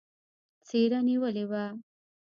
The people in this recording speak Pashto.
څېره نېولې وه.